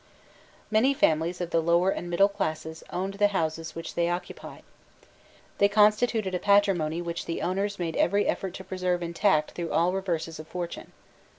Many families of the lower and middle classes owned the houses which they occupied. They constituted a patrimony which the owners made every effort to preserve intact through all reverses of fortune.